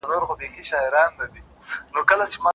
ما ته وویل سول چي څېړنه د ادب پراخه څانګه ده.